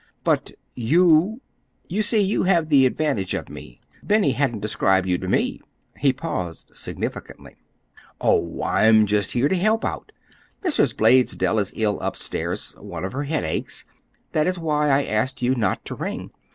"But—YOU—? You see you have the advantage of me. Benny hasn't described you to me." He paused significantly. "Oh, I'm just here to help out. Mrs. Blaisdell is ill upstairs—one of her headaches. That is why I asked you not to ring.